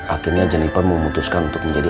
akhirnya jennifer memutuskan untuk menjadi